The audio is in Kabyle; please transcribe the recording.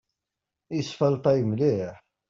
Isfalṭay mliḥ.